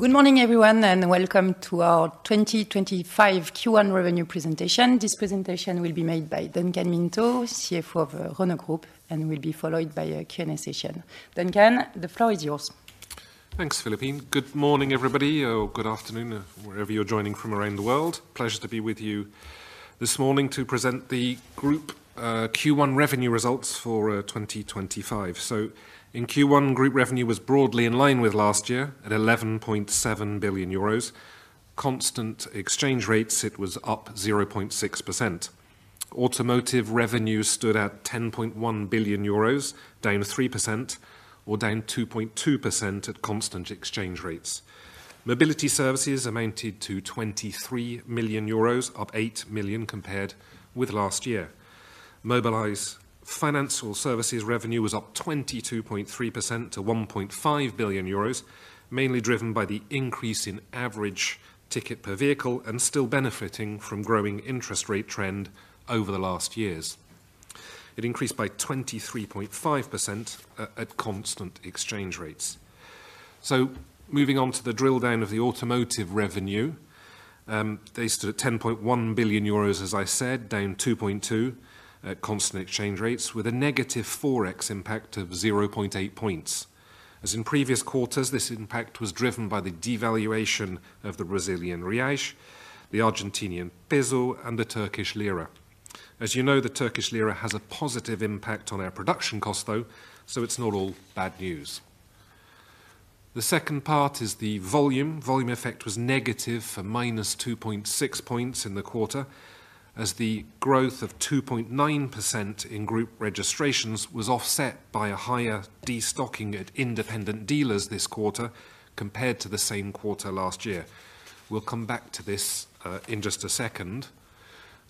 Good morning, everyone, and welcome to our 2025 Q1 revenue presentation. This presentation will be made by Duncan Minto, CFO of Renault Group, and will be followed by a Q&A session. Duncan, the floor is yours. Thanks, Philippine. Good morning, everybody, or good afternoon, wherever you're joining from around the world. Pleasure to be with you this morning to present the Group Q1 revenue results for 2025. In Q1, Group revenue was broadly in line with last year at 11.7 billion euros. At constant exchange rates, it was up 0.6%. Automotive revenue stood at 10.1 billion euros, down 3%, or down 2.2% at constant exchange rates. Mobility services amounted to 23 million euros, up 8 million compared with last year. Mobilize Financial Services revenue was up 22.3% to 1.5 billion euros, mainly driven by the increase in average ticket per vehicle and still benefiting from the growing interest rate trend over the last years. It increased by 23.5% at constant exchange rates. Moving on to the drill down of the automotive revenue, they stood at 10.1 billion euros, as I said, down 2.2% at constant exchange rates, with a negative foreign exchange impact of 0.8 points. As in previous quarters, this impact was driven by the devaluation of the Brazilian real, the Argentinian peso, and the Turkish lira. As you know, the Turkish lira has a positive impact on our production costs, though, so it's not all bad news. The second part is the volume. Volume effect was negative for minus 2.6 points in the quarter, as the growth of 2.9% in Group registrations was offset by a higher destocking at independent dealers this quarter compared to the same quarter last year. We'll come back to this in just a second.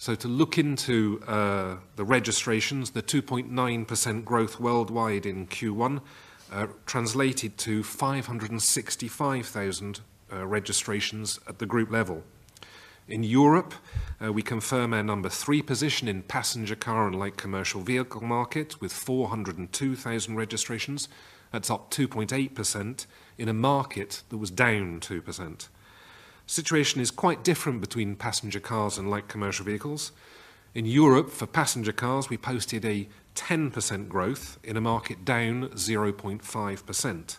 To look into the registrations, the 2.9% growth worldwide in Q1 translated to 565,000 registrations at the Group level. In Europe, we confirm our number three position in passenger car and light commercial vehicle market with 402,000 registrations. That's up 2.8% in a market that was down 2%. The situation is quite different between passenger cars and light commercial vehicles. In Europe, for passenger cars, we posted a 10% growth in a market down 0.5%.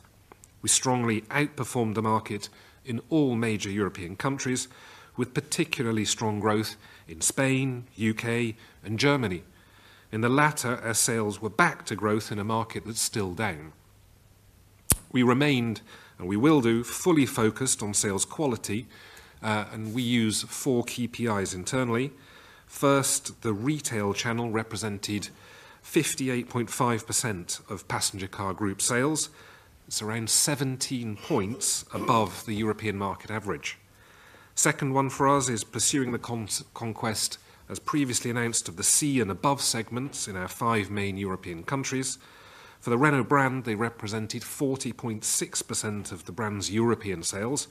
We strongly outperformed the market in all major European countries, with particularly strong growth in Spain, the UK, and Germany. In the latter, our sales were back to growth in a market that's still down. We remained, and we will do, fully focused on sales quality, and we use four KPIs internally. First, the retail channel represented 58.5% of passenger car Group sales. It's around 17 points above the European market average. The second one for us is pursuing the conquest, as previously announced, of the C and above segments in our five main European countries. For the Renault brand, they represented 40.6% of the brand's European sales.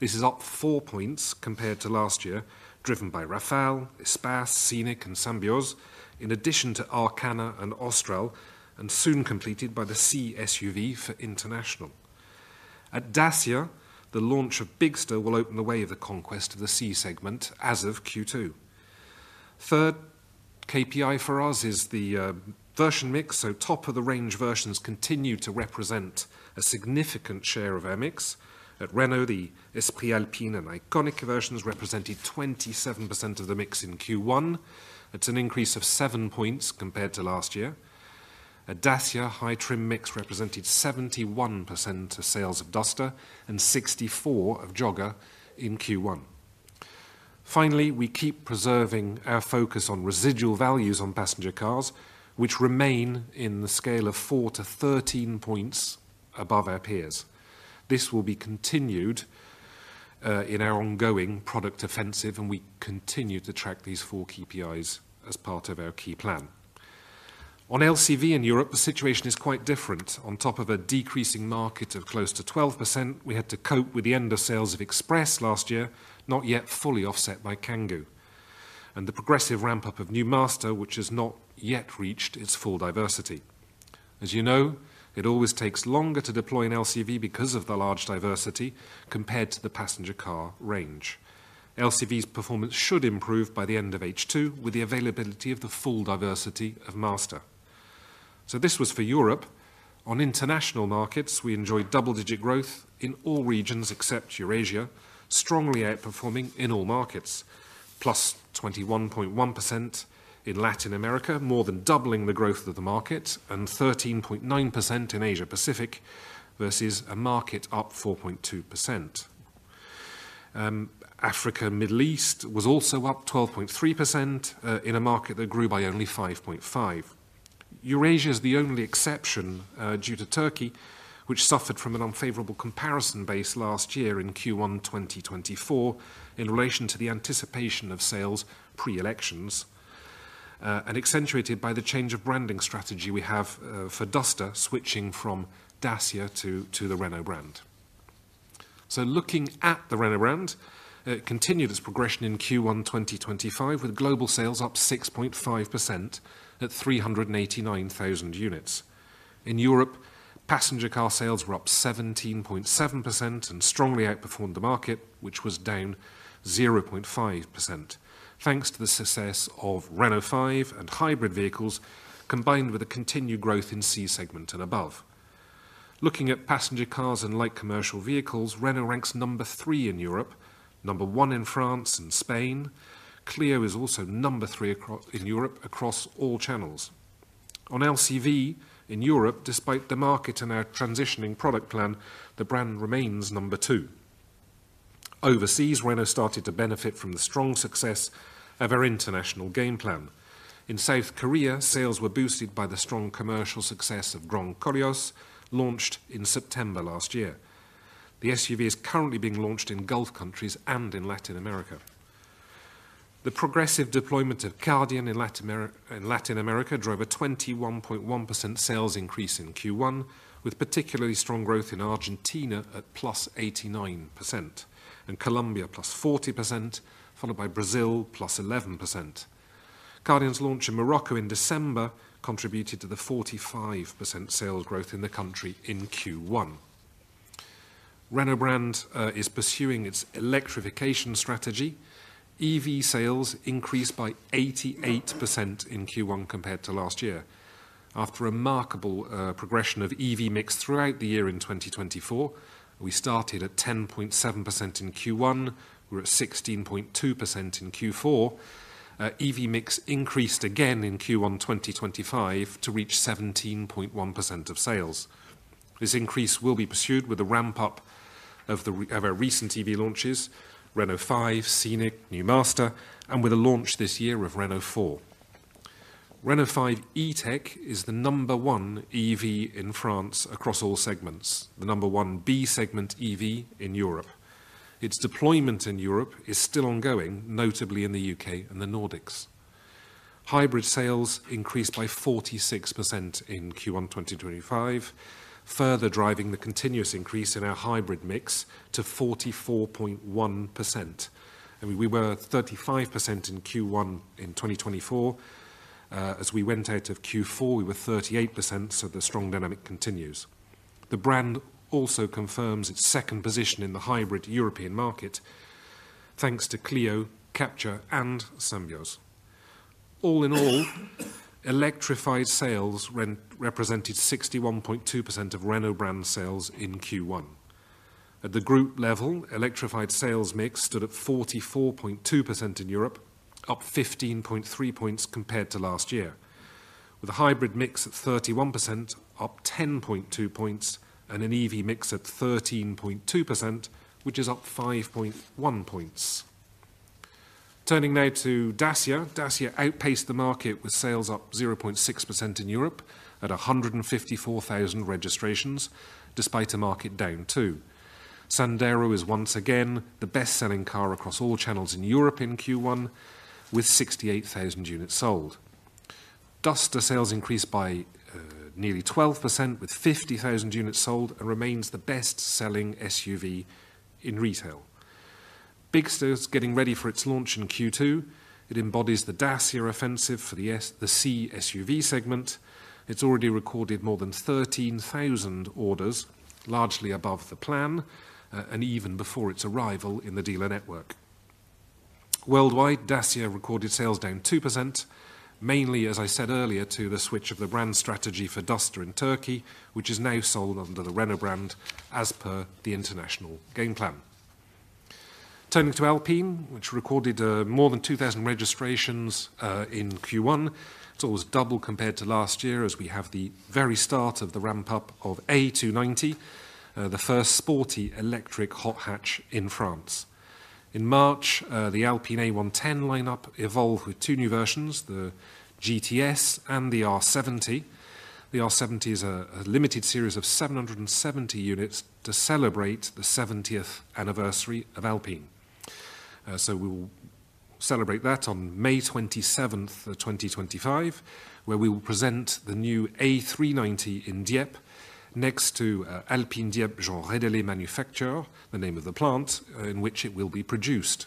This is up four points compared to last year, driven by Rafale, Espace, Scenic, and Symbioz, in addition to Arkana and Austral, and soon completed by the C SUV for international. At Dacia, the launch of Bigster will open the way of the conquest of the C segment as of Q2. The third KPI for us is the version mix, so top-of-the-range versions continue to represent a significant share of our mix. At Renault, the Esprit Alpine and Iconic versions represented 27% of the mix in Q1. It's an increase of seven points compared to last year. At Dacia, high-trim mix represented 71% of sales of Duster and 64% of Jogger in Q1. Finally, we keep preserving our focus on residual values on passenger cars, which remain in the scale of 4-13 points above our peers. This will be continued in our ongoing product offensive, and we continue to track these four KPIs as part of our key plan. On LCV in Europe, the situation is quite different. On top of a decreasing market of close to 12%, we had to cope with the end of sales of Express last year, not yet fully offset by Kangoo, and the progressive ramp-up of New Master, which has not yet reached its full diversity. As you know, it always takes longer to deploy an LCV because of the large diversity compared to the passenger car range. LCV's performance should improve by the end of H2 with the availability of the full diversity of Master. This was for Europe. On international markets, we enjoyed double-digit growth in all regions except Eurasia, strongly outperforming in all markets, plus 21.1% in Latin America, more than doubling the growth of the market, and 13.9% in Asia-Pacific versus a market up 4.2%. Africa, Middle East was also up 12.3% in a market that grew by only 5.5%. Eurasia is the only exception due to Turkey, which suffered from an unfavorable comparison base last year in Q1 2024 in relation to the anticipation of sales pre-elections, and accentuated by the change of branding strategy we have for Duster, switching from Dacia to the Renault brand. Looking at the Renault brand, it continued its progression in Q1 2025 with global sales up 6.5% at 389,000 units. In Europe, passenger car sales were up 17.7% and strongly outperformed the market, which was down 0.5%, thanks to the success of Renault 5 and hybrid vehicles combined with the continued growth in C segment and above. Looking at passenger cars and light commercial vehicles, Renault ranks number three in Europe, number one in France and Spain. Clio is also number three in Europe across all channels. On LCV in Europe, despite the market and our transitioning product plan, the brand remains number two. Overseas, Renault started to benefit from the strong success of our international game plan. In South Korea, sales were boosted by the strong commercial success of Grand Koleos, launched in September last year. The SUV is currently being launched in Gulf countries and in Latin America. The progressive deployment of Kardian in Latin America drove a 21.1% sales increase in Q1, with particularly strong growth in Argentina at plus 89%, and Colombia plus 40%, followed by Brazil plus 11%. Kardian's launch in Morocco in December contributed to the 45% sales growth in the country in Q1. Renault brand is pursuing its electrification strategy. EV sales increased by 88% in Q1 compared to last year. After a remarkable progression of EV mix throughout the year in 2024, we started at 10.7% in Q1. We're at 16.2% in Q4. EV mix increased again in Q1 2025 to reach 17.1% of sales. This increase will be pursued with a ramp-up of our recent EV launches, Renault 5, Scenic, New Master, and with a launch this year of Renault 4. Renault 5 E-Tech is the number one EV in France across all segments, the number one B segment EV in Europe. Its deployment in Europe is still ongoing, notably in the UK and the Nordics. Hybrid sales increased by 46% in Q1 2025, further driving the continuous increase in our hybrid mix to 44.1%. We were 35% in Q1 2024. As we went out of Q4, we were 38%, so the strong dynamic continues. The brand also confirms its second position in the hybrid European market, thanks to Clio, Captur, and Symbiose. All in all, electrified sales represented 61.2% of Renault brand sales in Q1. At the Group level, electrified sales mix stood at 44.2% in Europe, up 15.3 percentage points compared to last year, with a hybrid mix at 31%, up 10.2 percentage points, and an EV mix at 13.2%, which is up 5.1 percentage points. Turning now to Dacia, Dacia outpaced the market with sales up 0.6% in Europe at 154,000 registrations, despite a market down 2%. Sandero is once again the best-selling car across all channels in Europe in Q1, with 68,000 units sold. Duster sales increased by nearly 12%, with 50,000 units sold, and remains the best-selling SUV in retail. Bigster is getting ready for its launch in Q2. It embodies the Dacia offensive for the C SUV segment. It's already recorded more than 13,000 orders, largely above the plan, and even before its arrival in the dealer network. Worldwide, Dacia recorded sales down 2%, mainly, as I said earlier, to the switch of the brand strategy for Duster in Turkey, which is now sold under the Renault brand as per the international game plan. Turning to Alpine, which recorded more than 2,000 registrations in Q1, it's almost double compared to last year as we have the very start of the ramp-up of A290, the first sporty electric hot hatch in France. In March, the Alpine A110 lineup evolved with two new versions, the GTS and the R70. The R70 is a limited series of 770 units to celebrate the 70th anniversary of Alpine. We will celebrate that on 27 May 2025, where we will present the new A390 in Dieppe, next to Alpine Dieppe Jean Rédélé Manufacture, the name of the plant in which it will be produced.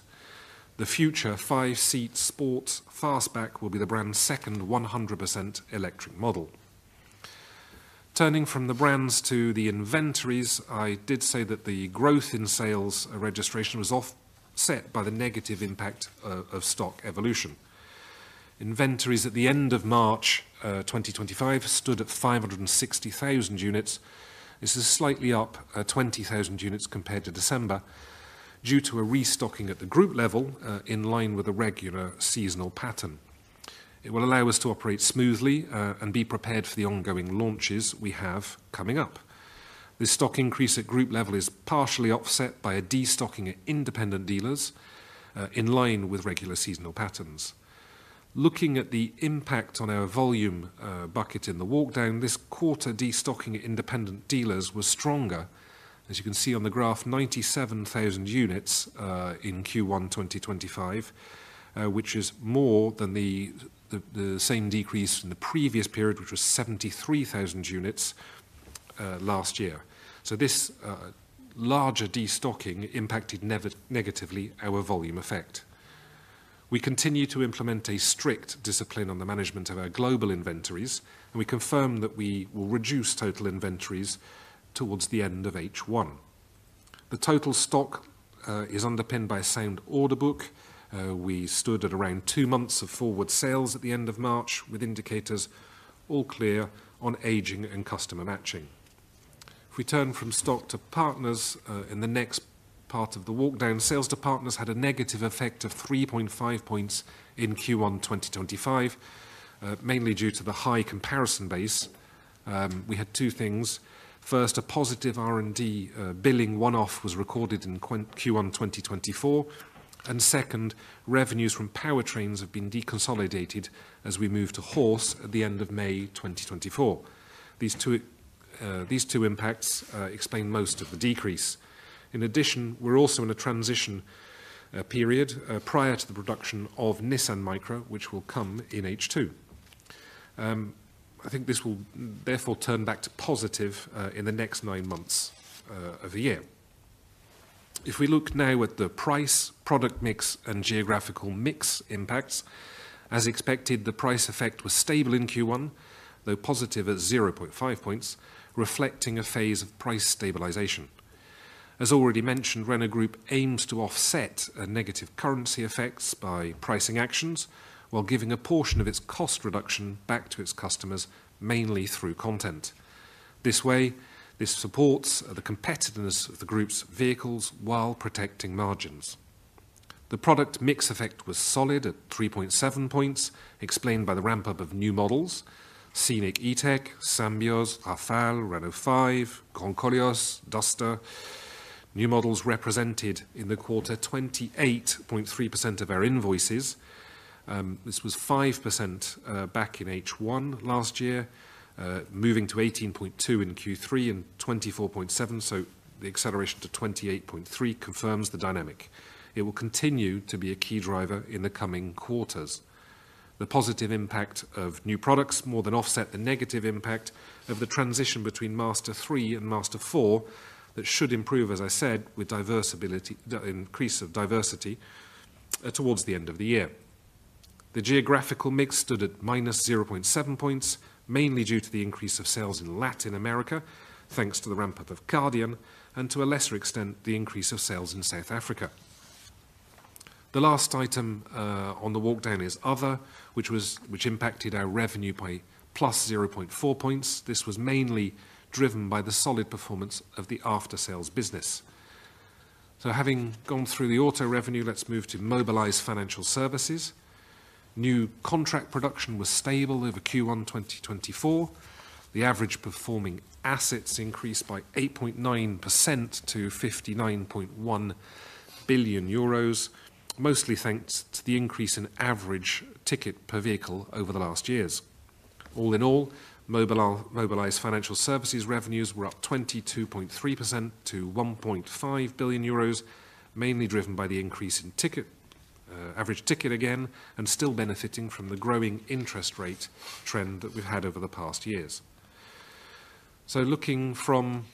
The future five-seat sport fastback will be the brand's second 100% electric model. Turning from the brands to the inventories, I did say that the growth in sales registration was offset by the negative impact of stock evolution. Inventories at the end of March 2025 stood at 560,000 units. This is slightly up 20,000 units compared to December due to a restocking at the Group level in line with a regular seasonal pattern. It will allow us to operate smoothly and be prepared for the ongoing launches we have coming up. This stock increase at Group level is partially offset by a destocking at independent dealers in line with regular seasonal patterns. Looking at the impact on our volume bucket in the walkdown, this quarter destocking at independent dealers was stronger. As you can see on the graph, 97,000 units in Q1 2025, which is more than the same decrease in the previous period, which was 73,000 units last year. This larger destocking impacted negatively our volume effect. We continue to implement a strict discipline on the management of our global inventories, and we confirm that we will reduce total inventories towards the end of H1. The total stock is underpinned by a sound order book. We stood at around two months of forward sales at the end of March with indicators all clear on aging and customer matching. If we turn from stock to partners in the next part of the walkdown, sales to partners had a negative effect of 3.5 percentage points in Q1 2025, mainly due to the high comparison base. We had two things. First, a positive R&D billing one-off was recorded in Q1 2024. Second, revenues from powertrains have been deconsolidated as we move to Horse at the end of May 2024. These two impacts explain most of the decrease. In addition, we're also in a transition period prior to the production of Nissan Micra, which will come in H2. I think this will therefore turn back to positive in the next nine months of the year. If we look now at the price, product mix, and geographical mix impacts, as expected, the price effect was stable in Q1, though positive at 0.5%, reflecting a phase of price stabilization. As already mentioned, Renault Group aims to offset negative currency effects by pricing actions while giving a portion of its cost reduction back to its customers, mainly through content. This way, this supports the competitiveness of the group's vehicles while protecting margins. The product mix effect was solid at 3.7%, explained by the ramp-up of new models: Scenic E-Tech, Symbiose, Rafale, Renault 5, Gran Koleos, Duster. New models represented in the quarter 28.3% of our invoices. This was 5% back in H1 last year, moving to 18.2% in Q3 and 24.7%. The acceleration to 28.3% confirms the dynamic. It will continue to be a key driver in the coming quarters. The positive impact of new products more than offset the negative impact of the transition between Master 3 and Master 4 that should improve, as I said, with increase of diversity towards the end of the year. The geographical mix stood at minus 0.7 points, mainly due to the increase of sales in Latin America, thanks to the ramp-up of Kardian, and to a lesser extent, the increase of sales in South Africa. The last item on the walkdown is Other, which impacted our revenue by plus 0.4 points. This was mainly driven by the solid performance of the after-sales business. Having gone through the auto revenue, let's move to Mobilize Financial Services. New contract production was stable over Q1 2024. The average performing assets increased by 8.9% to 59.1 billion euros, mostly thanks to the increase in average ticket per vehicle over the last years. All in all, Mobilize Financial Services revenues were up 22.3% to 1.5 billion euros, mainly driven by the increase in average ticket again and still benefiting from the growing interest rate trend that we've had over the past years. Looking from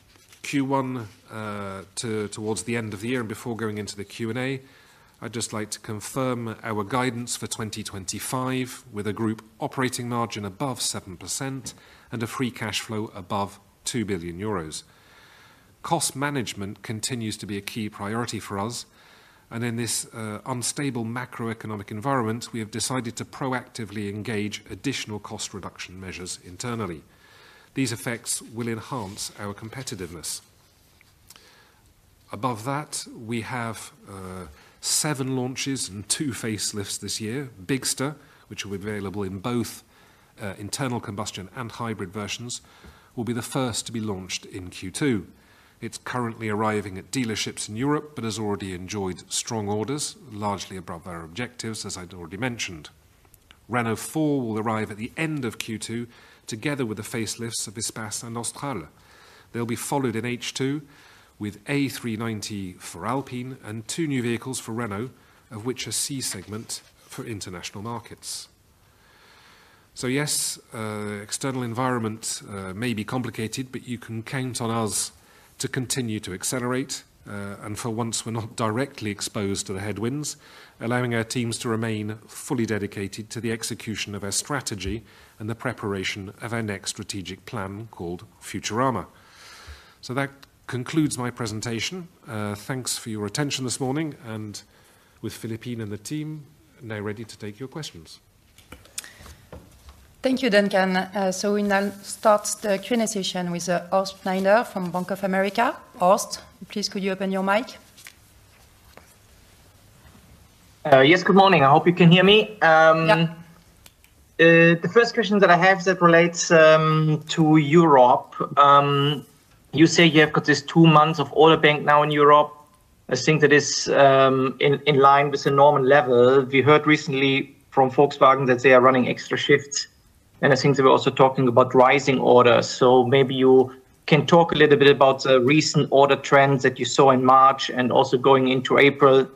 Q1 towards the end of the year and before going into the Q&A, I'd just like to confirm our guidance for 2025 with a Group operating margin above 7% and a free cash flow above 2 billion euros. Cost management continues to be a key priority for us, and in this unstable macroeconomic environment, we have decided to proactively engage additional cost reduction measures internally. These effects will enhance our competitiveness. Above that, we have seven launches and two facelifts this year. Bigster, which will be available in both internal combustion and hybrid versions, will be the first to be launched in Q2. It's currently arriving at dealerships in Europe but has already enjoyed strong orders, largely above our objectives, as I'd already mentioned. Renault 4 will arrive at the end of Q2 together with the facelifts of Espace and Austral. They'll be followed in H2 with A390 for Alpine and two new vehicles for Renault, of which a C segment for international markets. Yes, external environment may be complicated, but you can count on us to continue to accelerate and for once we're not directly exposed to the headwinds, allowing our teams to remain fully dedicated to the execution of our strategy and the preparation of our next strategic plan called Futurama. That concludes my presentation. Thanks for your attention this morning, and with Philippine and the team, now ready to take your questions. Thank you, Duncan. We now start the Q&A session with Horst Schneider from Bank of America. Horst, please, could you open your mic? Yes, good morning. I hope you can hear me. The first question that I have that relates to Europe, you say you have got this two months of auto bank now in Europe. I think that is in line with the normal level. We heard recently from Volkswagen that they are running extra shifts, and I think they were also talking about rising orders. Maybe you can talk a little bit about the recent order trends that you saw in March and also going into April,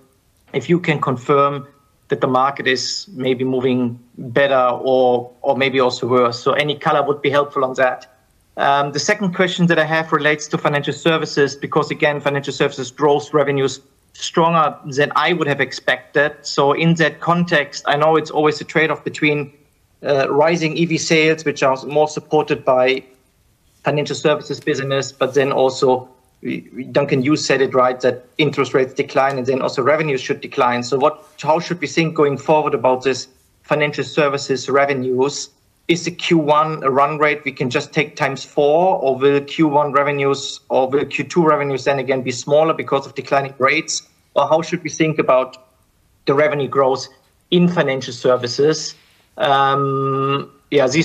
if you can confirm that the market is maybe moving better or maybe also worse. Any color would be helpful on that. The second question that I have relates to financial services because, again, financial services draws revenues stronger than I would have expected. In that context, I know it's always a trade-off between rising EV sales, which are more supported by financial services business, but then also, Duncan, you said it right, that interest rates decline and then also revenues should decline. How should we think going forward about these financial services revenues? Is the Q1 a run rate we can just take times four, or will Q1 revenues or will Q2 revenues then again be smaller because of declining rates, or how should we think about the revenue growth in financial services? These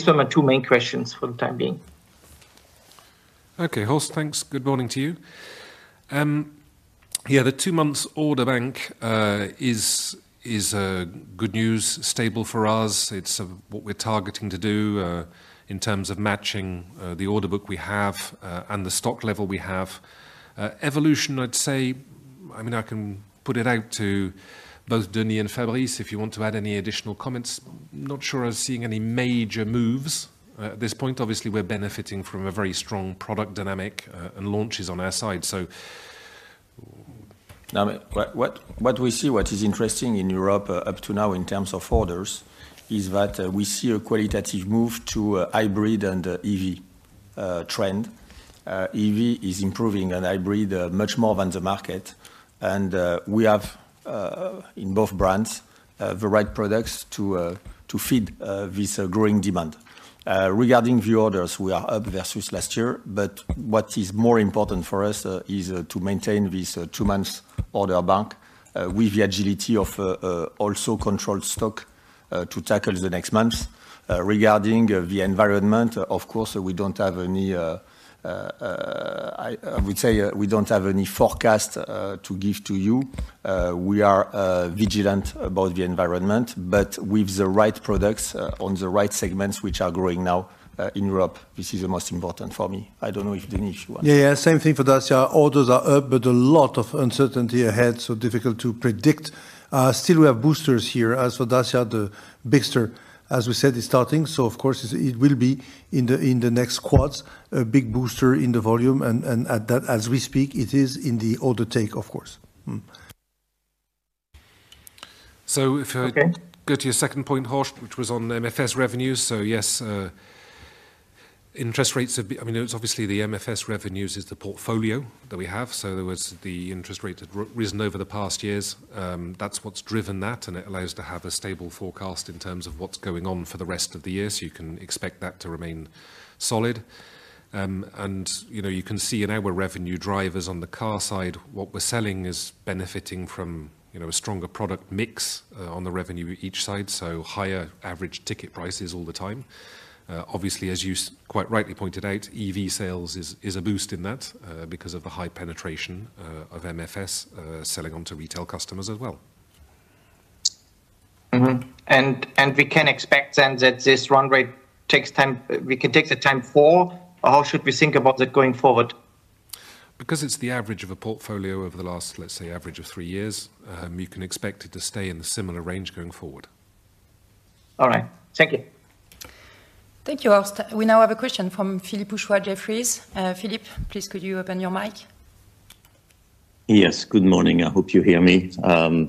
are my two main questions for the time being. Okay, Horst, thanks. Good morning to you. Yeah, the two-month order bank is good news, stable for us. It's what we're targeting to do in terms of matching the order book we have and the stock level we have. Evolution, I'd say, I mean, I can put it out to both Denis and Fabrice if you want to add any additional comments. Not sure I'm seeing any major moves at this point. Obviously, we're benefiting from a very strong product dynamic and launches on our side. What we see, what is interesting in Europe up to now in terms of orders, is that we see a qualitative move to hybrid and EV trend. EV is improving and hybrid much more than the market, and we have in both brands the right products to feed this growing demand. Regarding view orders, we are up versus last year, but what is more important for us is to maintain this two-month order bank with the agility of also controlled stock to tackle the next months. Regarding the environment, of course, we don't have any, I would say we don't have any forecast to give to you. We are vigilant about the environment, but with the right products on the right segments, which are growing now in Europe, this is the most important for me. I don't know if Denis, if you want. Yeah, yeah, same thing for Dacia. Orders are up, but a lot of uncertainty ahead, so difficult to predict. Still, we have boosters here. As for Dacia, the Bigster, as we said, is starting. Of course, it will be in the next quarter, a big booster in the volume, and as we speak, it is in the order take, of course. If I go to your second point, Horst, which was on MFS revenues, yes, interest rates have been, I mean, it's obviously the MFS revenues is the portfolio that we have. There was the interest rate that risen over the past years. That's what's driven that, and it allows us to have a stable forecast in terms of what's going on for the rest of the year, so you can expect that to remain solid. You can see in our revenue drivers on the car side, what we're selling is benefiting from a stronger product mix on the revenue each side, so higher average ticket prices all the time. Obviously, as you quite rightly pointed out, EV sales is a boost in that because of the high penetration of MFS selling onto retail customers as well. We can expect then that this run rate takes time, we can take the time for, or how should we think about it going forward? Because it's the average of a portfolio over the last, let's say, average of three years, you can expect it to stay in the similar range going forward. All right, thank you. Thank you, Horst. We now have a question from Philippe Houchois, Jefferies. Philippe, please, could you open your mic? Yes, good morning. I hope you hear me.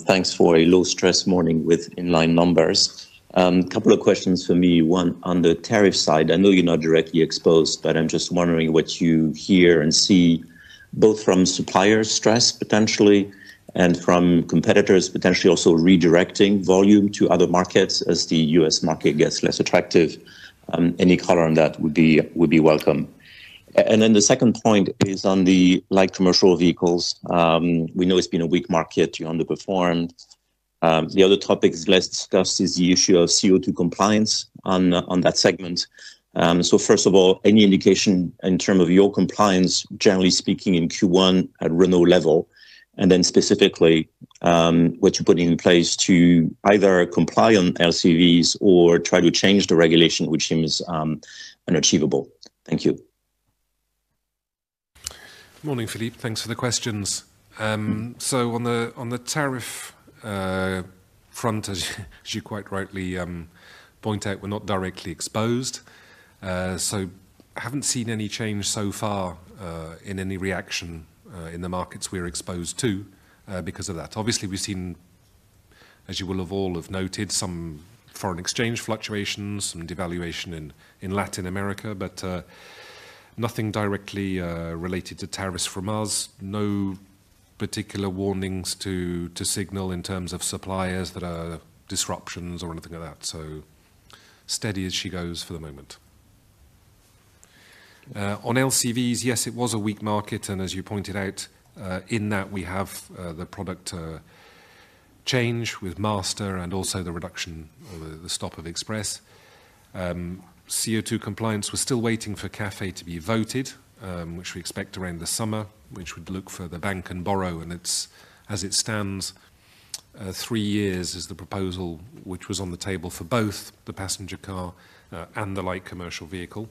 Thanks for a low-stress morning with inline numbers. A couple of questions for me. One on the tariff side. I know you're not directly exposed, but I'm just wondering what you hear and see both from supplier stress potentially and from competitors potentially also redirecting volume to other markets as the US market gets less attractive. Any color on that would be welcome. The second point is on the light commercial vehicles. We know it's been a weak market. You underperformed. The other topic that's less discussed is the issue of CO2 compliance on that segment. First of all, any indication in terms of your compliance, generally speaking, in Q1 at Renault level, and then specifically what you're putting in place to either comply on LCVs or try to change the regulation, which seems unachievable? Thank you. Good morning, Philippe. Thanks for the questions. On the tariff front, as you quite rightly point out, we're not directly exposed. I haven't seen any change so far in any reaction in the markets we're exposed to because of that. Obviously, we've seen, as you will have all noted, some foreign exchange fluctuations, some devaluation in Latin America, but nothing directly related to tariffs from us. No particular warnings to signal in terms of suppliers that are disruptions or anything like that. Steady as she goes for the moment. On LCVs, yes, it was a weak market, and as you pointed out, in that we have the product change with Master and also the reduction or the stop of Express. CO2 compliance, we're still waiting for Café to be voted, which we expect around the summer, which would look for the bank and borrow, and it's, as it stands, three years is the proposal which was on the table for both the passenger car and the light commercial vehicle.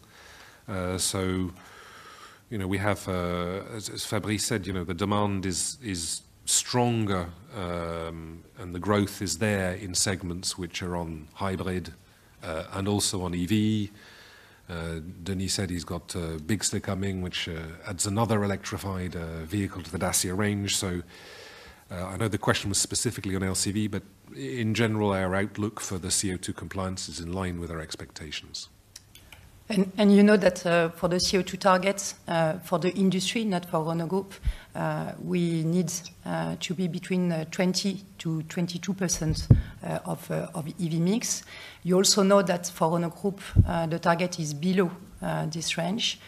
We have, as Fabrice said, the demand is stronger and the growth is there in segments which are on hybrid and also on EV. Denis said he's got Bigster coming, which adds another electrified vehicle to the Dacia range. I know the question was specifically on LCV, but in general, our outlook for the CO2 compliance is in line with our expectations. You know that for the CO2 targets for the industry, not for Renault Group, we need to be between 20% to 22% of EV mix. You also know that for Renault Group, the target is below this range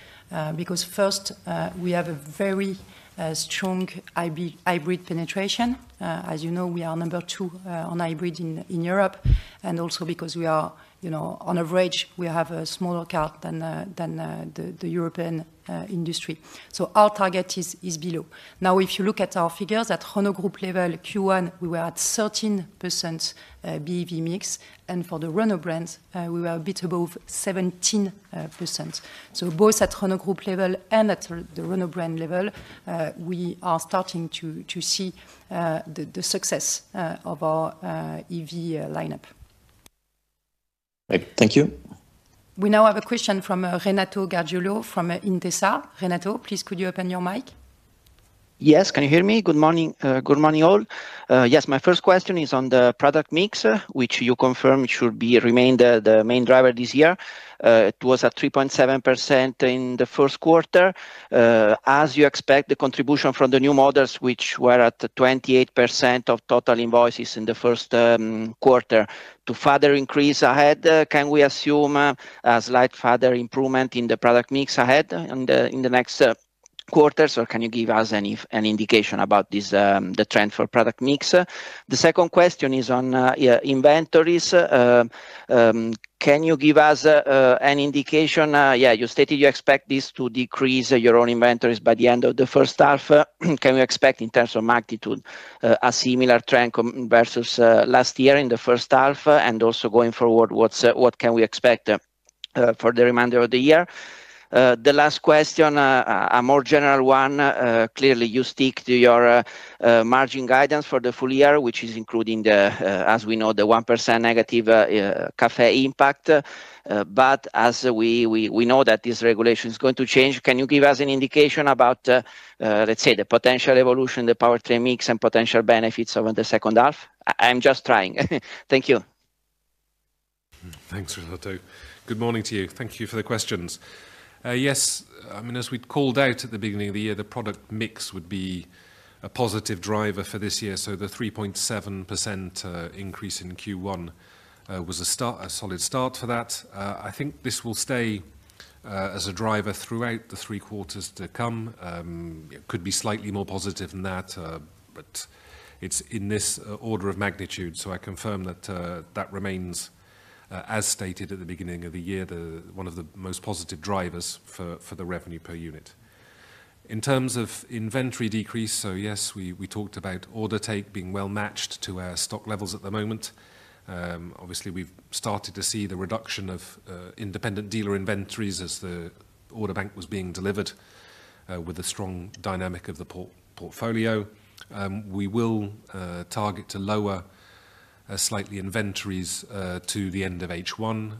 because first, we have a very strong hybrid penetration. As you know, we are number two on hybrid in Europe and also because we are, on average, we have a smaller car than the European industry. So our target is below. Now, if you look at our figures at Renault Group level, Q1, we were at 13% BEV mix, and for the Renault brand, we were a bit above 17%. So both at Renault Group level and at the Renault brand level, we are starting to see the success of our EV lineup. Thank you. We now have a question from Renato Gargiulo from Intesa. Renato, please, could you open your mic? Yes, can you hear me? Good morning. Good morning, all. Yes, my first question is on the product mix, which you confirmed should remain the main driver this year. It was at 3.7% in the Q1. As you expect, the contribution from the new models, which were at 28% of total invoices in the Q1, to further increase ahead, can we assume a slight further improvement in the product mix ahead in the next quarters, or can you give us any indication about the trend for product mix? The second question is on inventories. Can you give us an indication? Yeah, you stated you expect this to decrease your own inventories by the end of the first half. Can we expect in terms of magnitude a similar trend versus last year in the first half, and also going forward, what can we expect for the remainder of the year? The last question, a more general one, clearly you stick to your margin guidance for the full year, which is including the, as we know, the 1% negative Café impact. As we know that this regulation is going to change, can you give us an indication about, let's say, the potential evolution, the power trade mix, and potential benefits over the second half? I'm just trying. Thank you. Thanks, Renato. Good morning to you. Thank you for the questions. Yes, I mean, as we called out at the beginning of the year, the product mix would be a positive driver for this year. The 3.7% increase in Q1 was a solid start for that. I think this will stay as a driver throughout the three quarters to come. It could be slightly more positive than that, but it's in this order of magnitude. I confirm that that remains, as stated at the beginning of the year, one of the most positive drivers for the revenue per unit. In terms of inventory decrease, yes, we talked about order take being well matched to our stock levels at the moment. Obviously, we have started to see the reduction of independent dealer inventories as the order bank was being delivered with a strong dynamic of the portfolio. We will target to lower slightly inventories to the end of H1.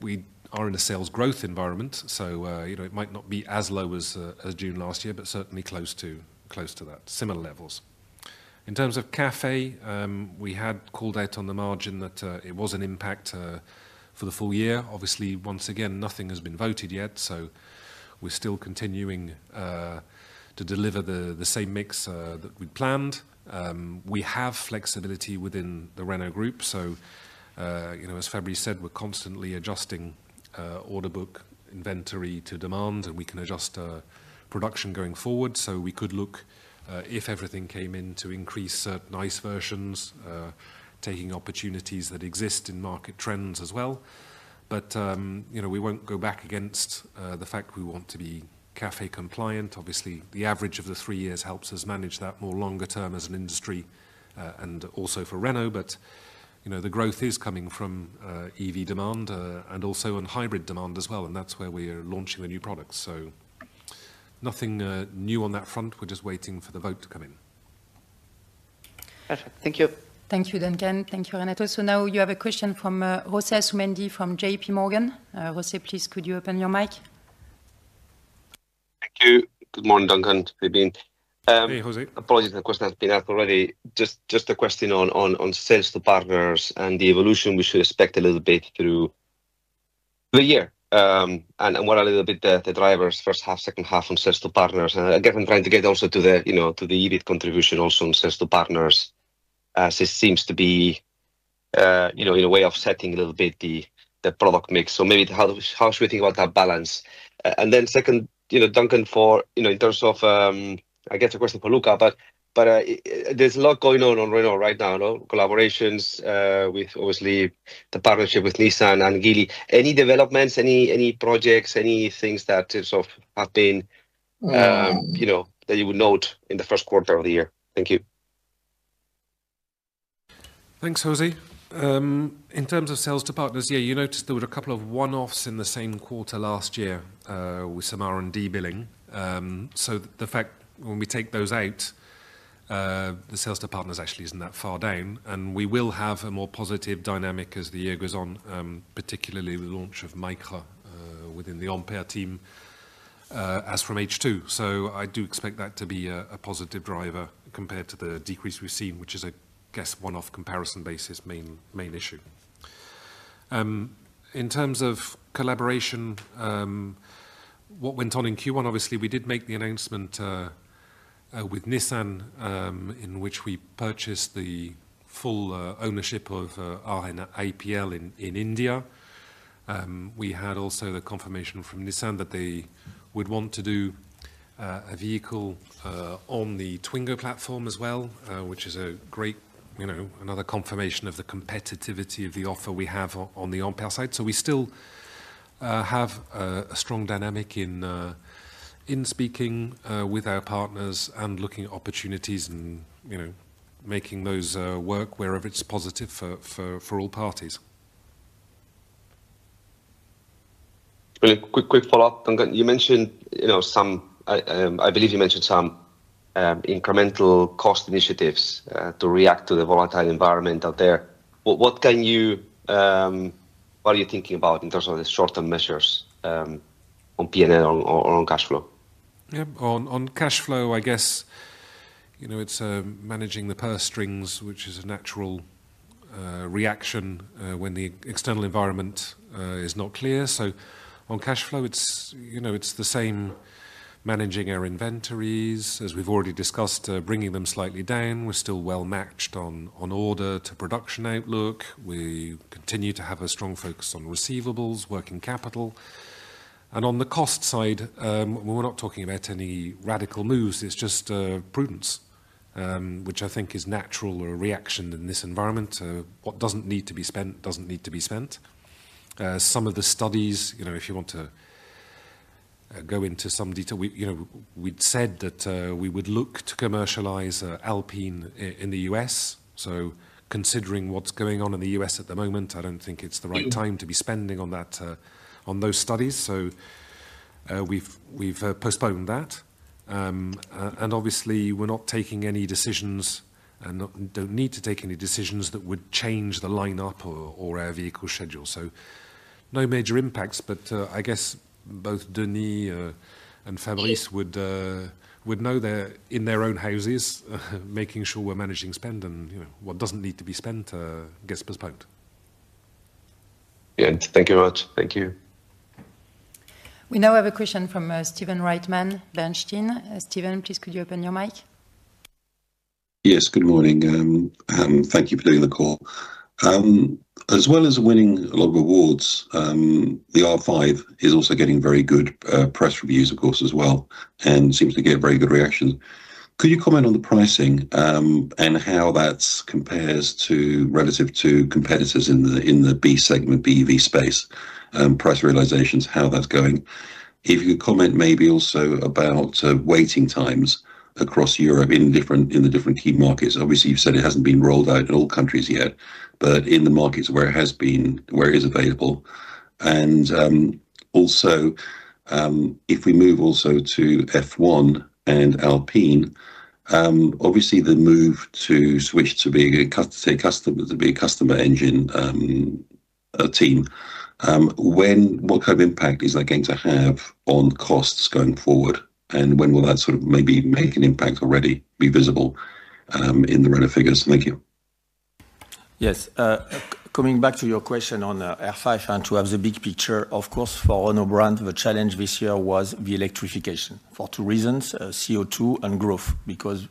We are in a sales growth environment, so it might not be as low as June last year, but certainly close to that, similar levels. In terms of Café, we had called out on the margin that it was an impact for the full year. Obviously, once again, nothing has been voted yet, so we are still continuing to deliver the same mix that we planned. We have flexibility within the Renault Group, so as Fabrice said, we're constantly adjusting order book inventory to demand, and we can adjust production going forward. We could look, if everything came in, to increase certain ICE versions, taking opportunities that exist in market trends as well. We won't go back against the fact we want to be Café compliant. Obviously, the average of the three years helps us manage that more longer term as an industry and also for Renault, but the growth is coming from EV demand and also on hybrid demand as well, and that's where we're launching the new products. Nothing new on that front. We're just waiting for the vote to come in. Perfect. Thank you. Thank you, Duncan. Thank you, Renato. Now you have a question from José Asumendi from JP Morgan. José, please, could you open your mic? Thank you. Good morning, Duncan. Hey, José. Apologies. The question has been asked already. Just a question on sales to partners and the evolution we should expect a little bit through the year and what are a little bit the drivers, first half, second half on sales to partners. I guess I'm trying to get also to the EV contribution also on sales to partners as it seems to be in a way offsetting a little bit the product mix. Maybe how should we think about that balance? Then second, Duncan, in terms of, I guess, a question for Luca, but there's a lot going on on Renault right now, collaborations with, obviously, the partnership with Nissan and Geely. Any developments, any projects, any things that sort of have been that you would note in the Q1 of the year? Thank you. Thanks, José. In terms of sales to partners, yeah, you noticed there were a couple of one-offs in the same quarter last year with some R&D billing. The fact when we take those out, the sales to partners actually isn't that far down. We will have a more positive dynamic as the year goes on, particularly with the launch of Micra within the Ampere team as from H2. I do expect that to be a positive driver compared to the decrease we've seen, which is, I guess, one-off comparison basis main issue. In terms of collaboration, what went on in Q1, obviously, we did make the announcement with Nissan in which we purchased the full ownership of our APL in India. We had also the confirmation from Nissan that they would want to do a vehicle on the Twingo platform as well, which is a great another confirmation of the competitivity of the offer we have on the Ampere side. We still have a strong dynamic in speaking with our partners and looking at opportunities and making those work wherever it's positive for all parties. Quick follow-up, Duncan. You mentioned some I believe you mentioned some incremental cost initiatives to react to the volatile environment out there. What are you thinking about in terms of the short-term measures on P&L or on cash flow? Yeah, on cash flow, I guess, it's managing the purse strings, which is a natural reaction when the external environment is not clear. On cash flow, it's the same managing our inventories as we've already discussed, bringing them slightly down. We're still well matched on order to production outlook. We continue to have a strong focus on receivables, working capital. On the cost side, we're not talking about any radical moves. It's just prudence, which I think is natural or a reaction in this environment. What doesn't need to be spent doesn't need to be spent. Some of the studies, if you want to go into some detail, we'd said that we would look to commercialize Alpine in the US Considering what's going on in the US at the moment, I don't think it's the right time to be spending on those studies. We have postponed that. Obviously, we're not taking any decisions and don't need to take any decisions that would change the lineup or our vehicle schedule. No major impacts, but I guess both Denis and Fabrice would know that in their own houses, making sure we're managing spend and what doesn't need to be spent gets postponed. Yeah, thank you very much. Thank you. We now have a question from Stephen Reitman, Bernstein. Stephen, please, could you open your mic? Yes, good morning. Thank you for doing the call. As well as winning a lot of awards, the R5 is also getting very good press reviews, of course, as well, and seems to get very good reactions. Could you comment on the pricing and how that compares relative to competitors in the B segment, BEV space, price realizations, how that's going? If you could comment maybe also about waiting times across Europe in the different key markets. Obviously, you've said it hasn't been rolled out in all countries yet, but in the markets where it has been, where it is available. Also, if we move also to F1 and Alpine, obviously, the move to switch to be a customer engine team, what kind of impact is that going to have on costs going forward? When will that sort of maybe make an impact already be visible in the Renault figures? Thank you. Yes, coming back to your question on R5 and to have the big picture, of course, for Renault brand, the challenge this year was the electrification for two reasons, CO2 and growth, because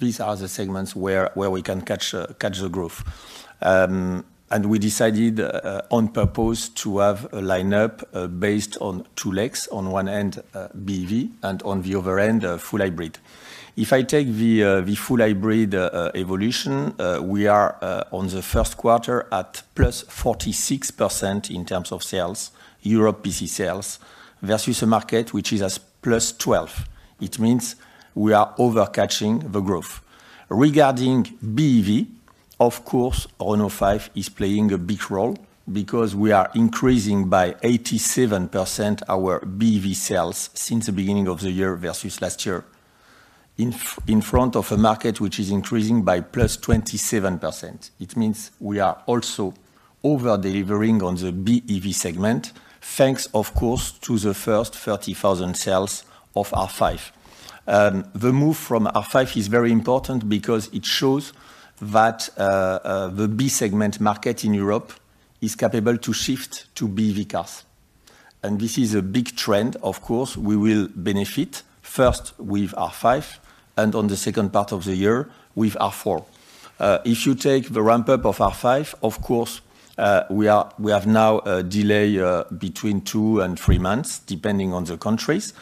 these are the segments where we can catch the growth. We decided on purpose to have a lineup based on two legs, on one end, BEV, and on the other end, full hybrid. If I take the full hybrid evolution, we are on the Q1 at plus 46% in terms of sales, Europe PC sales, versus a market which is at plus 12%. It means we are overcatching the growth. Regarding BEV, of course, Renault 5 is playing a big role because we are increasing by 87% our BEV sales since the beginning of the year versus last year in front of a market which is increasing by plus 27%. It means we are also overdelivering on the BEV segment, thanks, of course, to the first 30,000 sales of R5. The move from R5 is very important because it shows that the B segment market in Europe is capable to shift to BEV cars. This is a big trend, of course. We will benefit first with R5 and on the second part of the year with R4. If you take the ramp-up of R5, of course, we have now a delay between two and three months depending on the countries.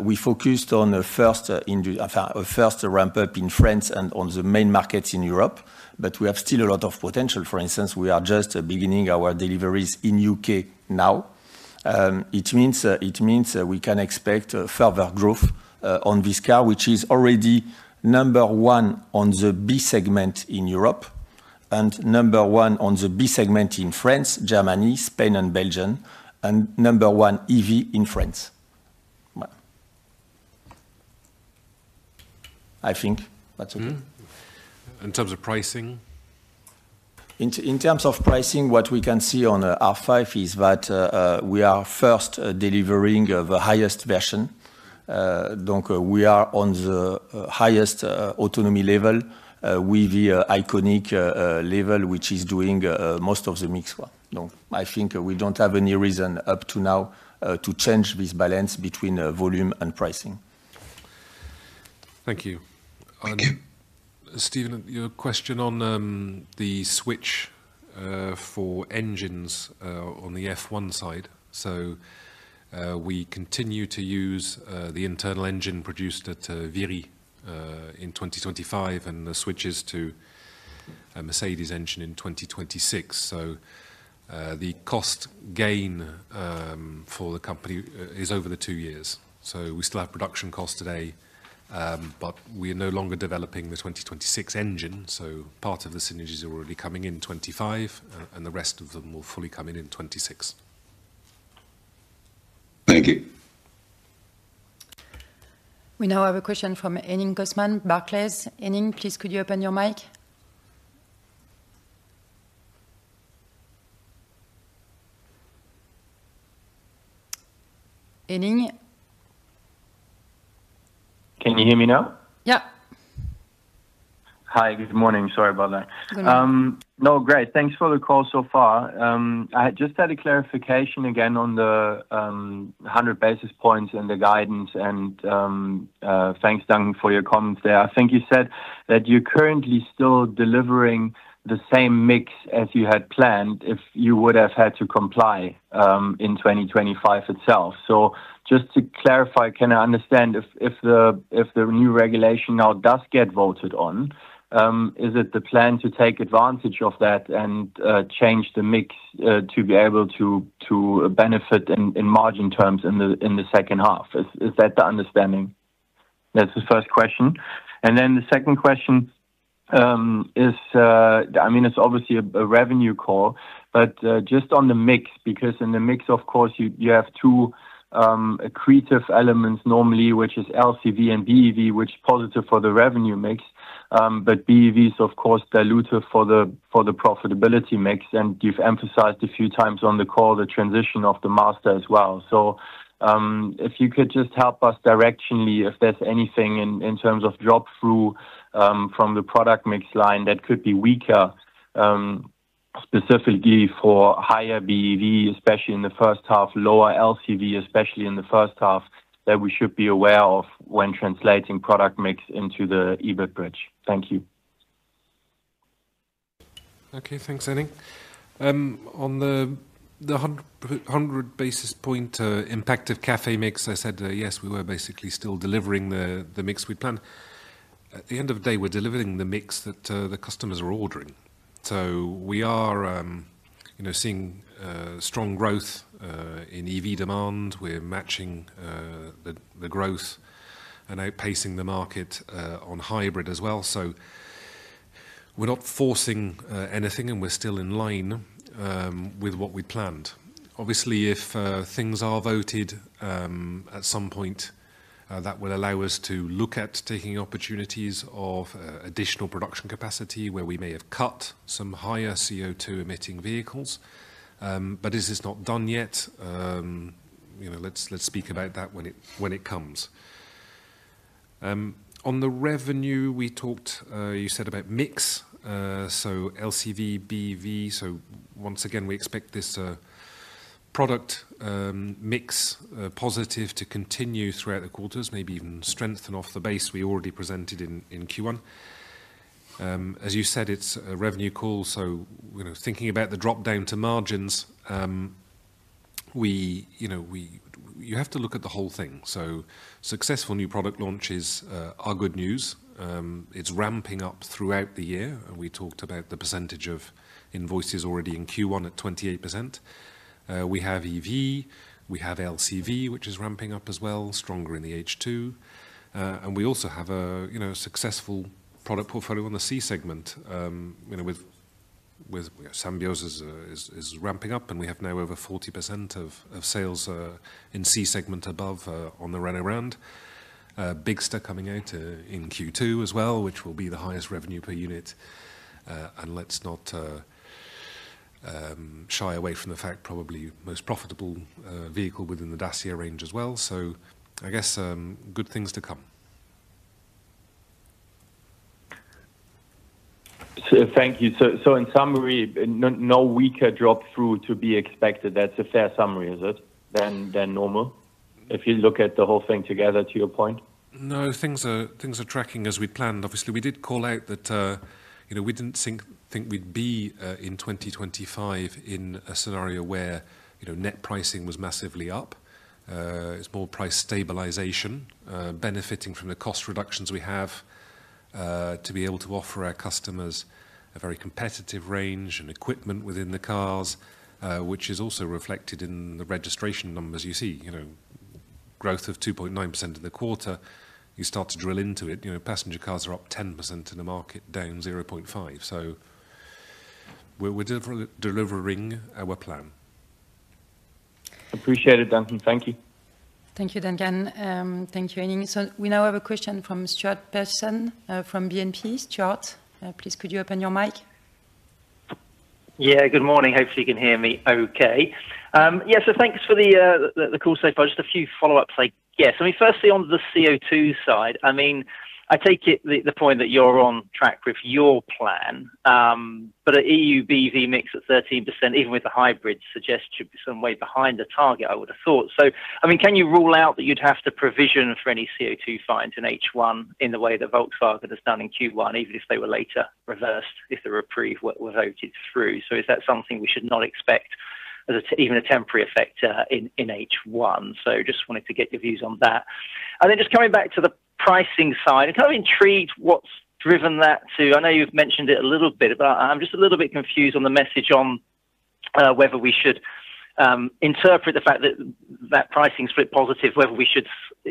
We focused on a first ramp-up in France and on the main markets in Europe, but we have still a lot of potential. For instance, we are just beginning our deliveries in the UK now. It means we can expect further growth on this car, which is already number one on the B segment in Europe and number one on the B segment in France, Germany, Spain, and Belgium, and number one EV in France. I think that's okay. In terms of pricing? In terms of pricing, what we can see on R5 is that we are first delivering the highest version. We are on the highest autonomy level with the Iconic level which is doing most of the mix. I think we do not have any reason up to now to change this balance between volume and pricing. Thank you. Stephen, your question on the switch for engines on the F1 side. We continue to use the internal engine produced at Viry in 2025 and the switch is to a Mercedes engine in 2026. The cost gain for the company is over the two years. We still have production costs today, but we are no longer developing the 2026 engine. Part of the synergies are already coming in 2025, and the rest of them will fully come in in 2026. Thank you. We now have a question from Henning Cosman, Barclays. Henning, please, could you open your mic? Henning? Can you hear me now? Yeah. Hi, good morning. Sorry about that. No, great. Thanks for the call so far. I had just had a clarification again on the 100 basis points and the guidance, and thanks, Duncan, for your comments there. I think you said that you're currently still delivering the same mix as you had planned if you would have had to comply in 2025 itself. Just to clarify, can I understand if the new regulation now does get voted on, is it the plan to take advantage of that and change the mix to be able to benefit in margin terms in the second half? Is that the understanding? That's the first question. The second question is, I mean, it's obviously a revenue call, but just on the mix, because in the mix, of course, you have two accretive elements normally, which is LCV and BEV, which is positive for the revenue mix, but BEV is, of course, diluted for the profitability mix. You've emphasized a few times on the call the transition of the Master as well. If you could just help us directionally if there's anything in terms of drop-through from the product mix line that could be weaker, specifically for higher BEV, especially in the first half, lower LCV, especially in the first half, that we should be aware of when translating product mix into the EBIT bridge. Thank you. Okay, thanks, Henning. On the 100 basis point impact of café mix, I said yes, we were basically still delivering the mix we planned. At the end of the day, we're delivering the mix that the customers are ordering. We are seeing strong growth in EV demand. We're matching the growth and outpacing the market on hybrid as well. We're not forcing anything, and we're still in line with what we planned. Obviously, if things are voted at some point, that will allow us to look at taking opportunities of additional production capacity where we may have cut some higher CO2 emitting vehicles. This is not done yet. Let's speak about that when it comes. On the revenue, we talked, you said about mix, LCV, BEV. Once again, we expect this product mix positive to continue throughout the quarters, maybe even strengthen off the base we already presented in Q1. As you said, it's a revenue call. Thinking about the drop down to margins, you have to look at the whole thing. Successful new product launches are good news. It's ramping up throughout the year. We talked about the percentage of invoices already in Q1 at 28%. We have EV. We have LCV, which is ramping up as well, stronger in the H2. We also have a successful product portfolio on the C segment with Symbiose ramping up, and we have now over 40% of sales in C segment and above on the Renault brand. Bigster coming out in Q2 as well, which will be the highest revenue per unit. Let's not shy away from the fact probably the most profitable vehicle within the Dacia range as well. I guess good things to come. Thank you. In summary, no weaker drop-through to be expected. That's a fair summary, is it, than normal? If you look at the whole thing together, to your point? No, things are tracking as we planned. Obviously, we did call out that we didn't think we'd be in 2025 in a scenario where net pricing was massively up. It's more price stabilization, benefiting from the cost reductions we have to be able to offer our customers a very competitive range and equipment within the cars, which is also reflected in the registration numbers you see. Growth of 2.9% in the quarter. You start to drill into it. Passenger cars are up 10% in the market, down 0.5%. So we're delivering our plan. Appreciate it, Duncan. Thank you. Thank you, Duncan. Thank you, Henning. We now have a question from Stuart Pearson from BNP. Stuart, please, could you open your mic? Yeah, good morning. Hopefully, you can hear me okay. Yeah, so thanks for the call so far. Just a few follow-ups. Yes. I mean, firstly, on the CO2 side, I mean, I take it the point that you're on track with your plan, but an EU BEV mix at 13%, even with the hybrid, suggests it should be some way behind the target I would have thought. I mean, can you rule out that you'd have to provision for any CO2 fines in H1 in the way that Volkswagen has done in Q1, even if they were later reversed if the reprieve were voted through? Is that something we should not expect as even a temporary effect in H1? I just wanted to get your views on that. Then just coming back to the pricing side, I'm kind of intrigued what's driven that too. I know you've mentioned it a little bit, but I'm just a little bit confused on the message on whether we should interpret the fact that that pricing split positive, whether we should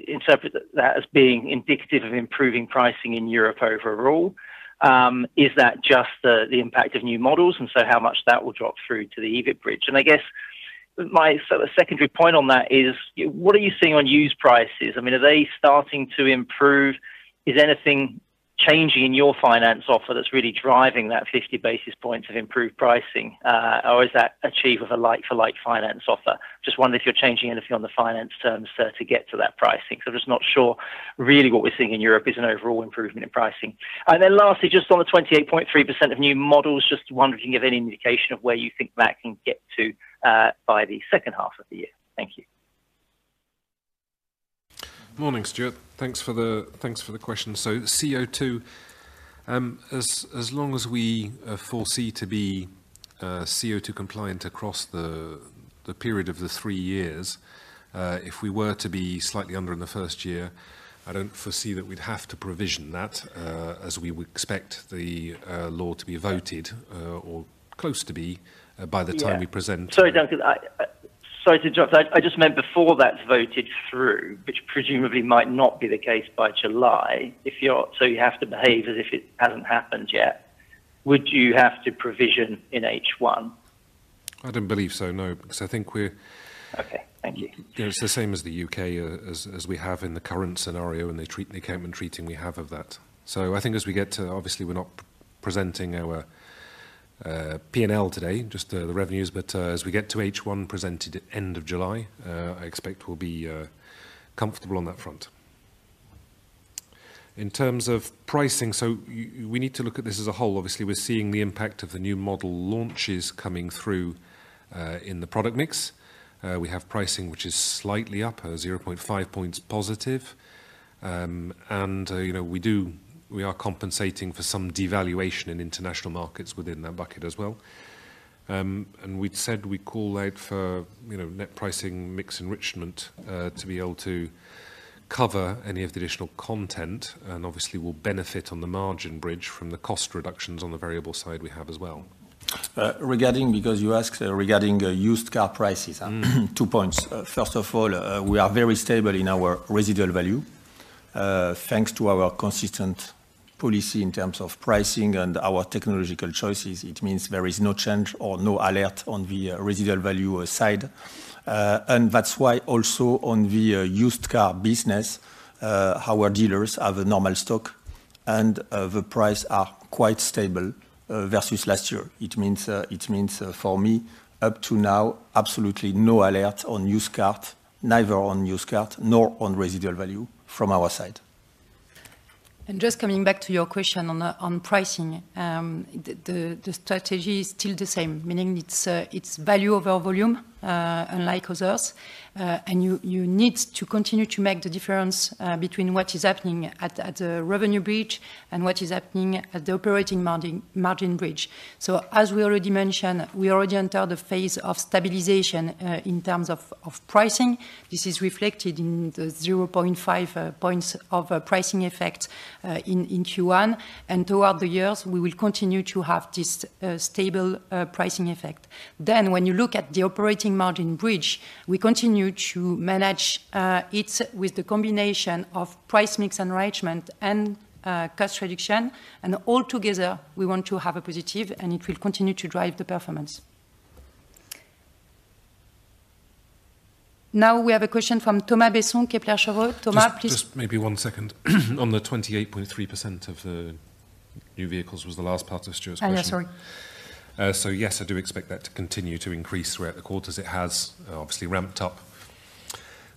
interpret that as being indicative of improving pricing in Europe overall. Is that just the impact of new models and so how much that will drop through to the EBIT bridge? I guess my secondary point on that is, what are you seeing on used prices? I mean, are they starting to improve? Is anything changing in your finance offer that's really driving that 50 basis points of improved pricing, or is that achieved with a like-for-like finance offer? Just wonder if you're changing anything on the finance terms to get to that pricing. I'm just not sure really what we're seeing in Europe is an overall improvement in pricing. Lastly, just on the 28.3% of new models, just wondering if you can give any indication of where you think that can get to by the second half of the year. Thank you. Morning, Stuart. Thanks for the question. CO2, as long as we foresee to be CO2 compliant across the period of the three years, if we were to be slightly under in the first year, I do not foresee that we would have to provision that as we would expect the law to be voted or close to be by the time we present. Sorry, Duncan. Sorry to interrupt. I just meant before that is voted through, which presumably might not be the case by July. You have to behave as if it has not happened yet. Would you have to provision in H1? I do not believe so, no, because I think we are. Okay. Thank you. It's the same as the UK as we have in the current scenario and the treating we have of that. I think as we get to, obviously, we're not presenting our P&L today, just the revenues, but as we get to H1 presented at the end of July, I expect we'll be comfortable on that front. In terms of pricing, we need to look at this as a whole. Obviously, we're seeing the impact of the new model launches coming through in the product mix. We have pricing, which is slightly up, 0.5 points positive. We are compensating for some devaluation in international markets within that bucket as well. We'd said we call out for net pricing mix enrichment to be able to cover any of the additional content. Obviously, we'll benefit on the margin bridge from the cost reductions on the variable side we have as well. Regarding, because you asked regarding used car prices, two points. First of all, we are very stable in our residual value. Thanks to our consistent policy in terms of pricing unlike others. You need to continue to make the difference between what is happening at the revenue bridge and what is happening at the operating margin bridge. As we already mentioned, we already entered the phase of stabilization in terms of pricing. This is reflected in the 0.5% of pricing effect in Q1. Throughout the years, we will continue to have this stable pricing effect. When you look at the operating margin bridge, we continue to manage it with the combination of price mix enrichment and cost reduction. Altogether, we want to have a positive, and it will continue to drive the performance. Now we have a question from Thomas Besson, Kepler Cheuvreux. Thomas, please. Just maybe one second. On the 28.3% of the new vehicles was the last part of Stuart's question. I'm sorry. Yes, I do expect that to continue to increase throughout the quarters. It has obviously ramped up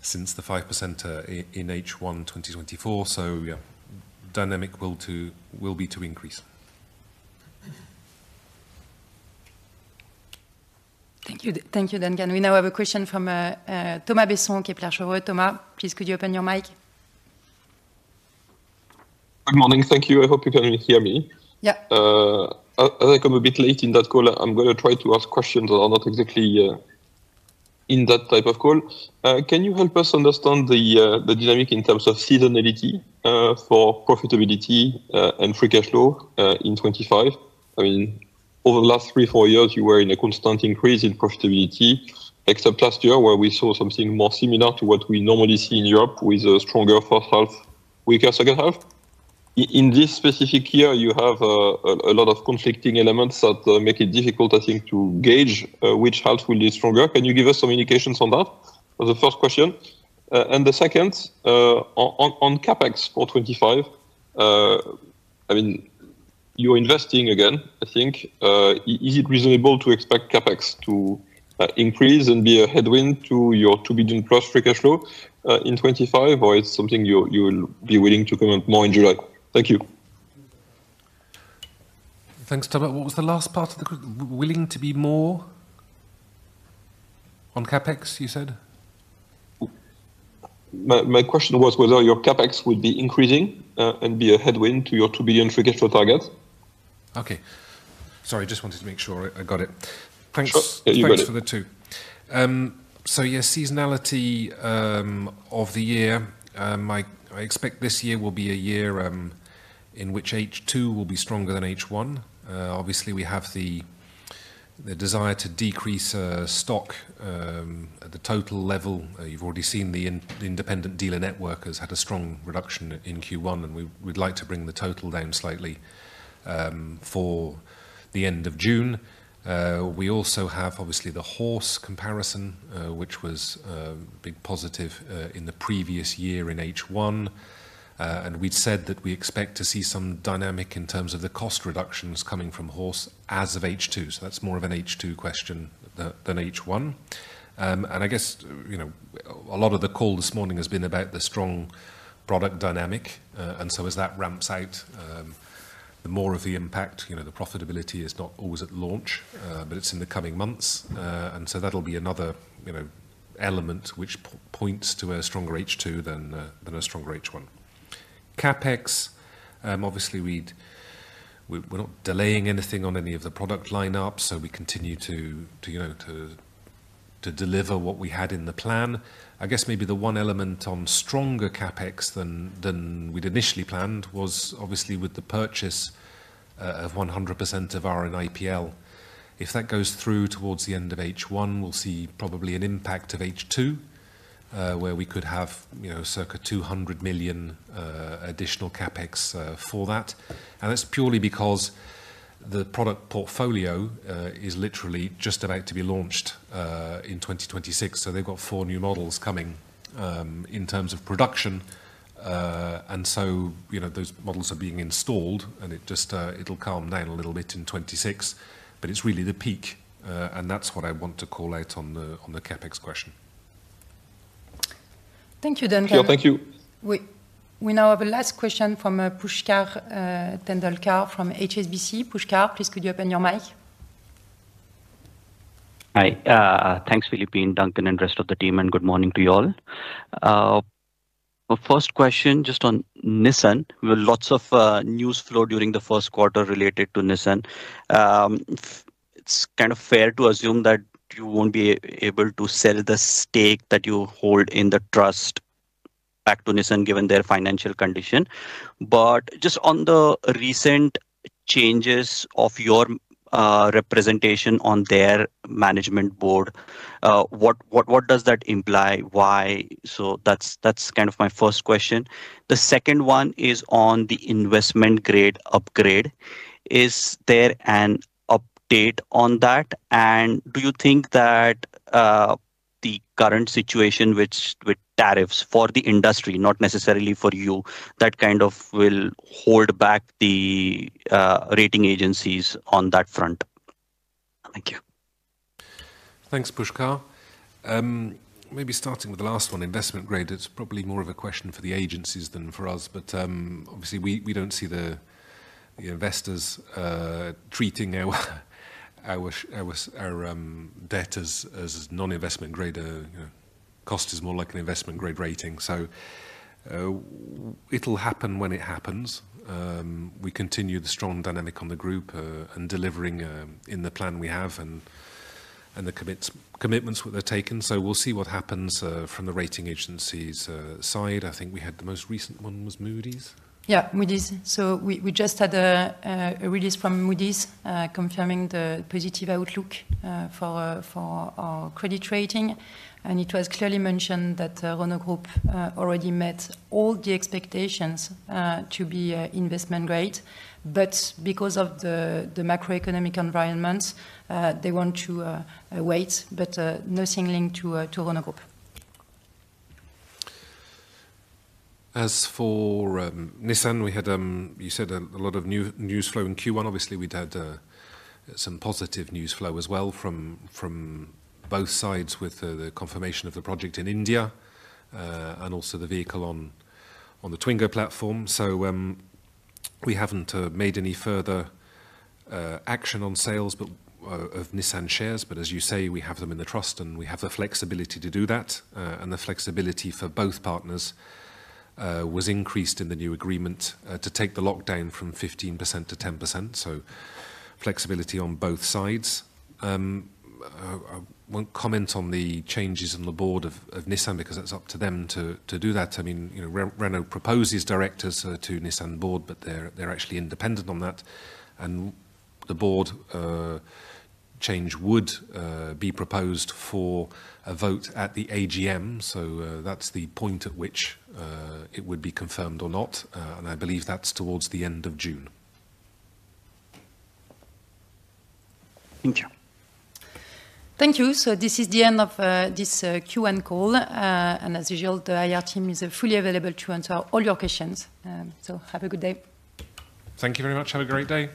since the 5% in H1 2024. Yeah, dynamic will be to increase. Thank you, Duncan. We now have a question from Thomas Besson, Kepler Cheuvreux. Thomas, please, could you open your mic? Good morning. Thank you. I hope you can hear me. Yeah. As I come a bit late in that call, I'm going to try to ask questions that are not exactly in that type of call. Can you help us understand the dynamic in terms of seasonality for profitability and free cash flow in 2025? I mean, over the last three, four years, you were in a constant increase in profitability, except last year where we saw something more similar to what we normally see in Europe with a stronger first half, weaker second half. In this specific year, you have a lot of conflicting elements that make it difficult, I think, to gauge which half will be stronger. Can you give us some indications on that? That's the first question. The second, on CapEx for 2025, I mean, you're investing again, I think. Is it reasonable to expect CapEx to increase and be a headwind to your $2 billion plus free cash flow in 2025, or it's something you'll be willing to comment more in July? Thank you. Thanks, Thomas. What was the last part of the question? Willing to be more on CapEx, you said? My question was whether your CapEx would be increasing and be a headwind to your $2 billion free cash flow target. Okay. Sorry, just wanted to make sure I got it. Thank you. Thanks for the two. Yeah, seasonality of the year. I expect this year will be a year in which H2 will be stronger than H1. Obviously, we have the desire to decrease stock at the total level. You've already seen the independent dealer network has had a strong reduction in Q1, and we'd like to bring the total down slightly for the end of June. We also have, obviously, the Horse comparison, which was a big positive in the previous year in H1. We'd said that we expect to see some dynamic in terms of the cost reductions coming from Horse as of H2. That's more of an H2 question than H1. I guess a lot of the call this morning has been about the strong product dynamic. As that ramps out, more of the impact, the profitability is not always at launch, but it's in the coming months. That will be another element which points to a stronger H2 than a stronger H1. CapEx, obviously, we're not delaying anything on any of the product lineups, so we continue to deliver what we had in the plan. I guess maybe the one element on stronger CapEx than we'd initially planned was obviously with the purchase of 100% of RNIPL. If that goes through towards the end of H1, we'll see probably an impact of H2 where we could have circa 200 million additional CapEx for that. That is purely because the product portfolio is literally just about to be launched in 2026. They have four new models coming in terms of production. Those models are being installed, and it will calm down a little bit in 2026, but it is really the peak. That is what I want to call out on the CapEx question. Thank you, Duncan. Thank you. We now have a last question from Pushkar Tendolkar from HSBC. Pushkar, please could you open your mic? Hi. Thanks, Philippine, Duncan, and the rest of the team, and good morning to you all. First question just on Nissan. We had lots of news flow during the Q1 related to Nissan. It's kind of fair to assume that you won't be able to sell the stake that you hold in the trust back to Nissan given their financial condition. Just on the recent changes of your representation on their management board, what does that imply? Why? That's kind of my first question. The second one is on the investment grade upgrade. Is there an update on that? Do you think that the current situation with tariffs for the industry, not necessarily for you, will hold back the rating agencies on that front? Thank you. Thanks, Pushkar. Maybe starting with the last one, investment grade. It's probably more of a question for the agencies than for us, but obviously, we don't see the investors treating our debt as non-investment grade. Cost is more like an investment grade rating. It'll happen when it happens. We continue the strong dynamic on the group and delivering in the plan we have and the commitments that are taken. We'll see what happens from the rating agencies' side. I think we had the most recent one was Moody's. Yeah, Moody's. We just had a release from Moody's confirming the positive outlook for our credit rating. It was clearly mentioned that Renault Group already met all the expectations to be investment grade. Because of the macroeconomic environment, they want to wait, but nothing linked to Renault Group. As for Nissan, you said, a lot of news flow in Q1. Obviously, we'd had some positive news flow as well from both sides with the confirmation of the project in India and also the vehicle on the Twingo platform. We have not made any further action on sales of Nissan shares. As you say, we have them in the trust, and we have the flexibility to do that. The flexibility for both partners was increased in the new agreement to take the lockdown from 15% to 10%. Flexibility on both sides. I will not comment on the changes on the board of Nissan because that is up to them to do that. I mean, Renault proposes directors to Nissan board, but they're actually independent on that. The board change would be proposed for a vote at the AGM. That is the point at which it would be confirmed or not. I believe that's towards the end of June. Thank you. Thank you. This is the end of this Q&A call. As usual, the IR team is fully available to answer all your questions. Have a good day. Thank you very much. Have a great day.